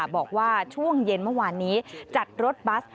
บอกว่าช่วงเย็นเมื่อวานนี้จัดรถบัส